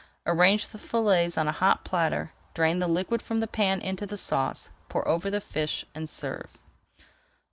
Arrange the fillets on a hot platter, drain the liquid from the pan into the sauce, pour over the fish, and serve.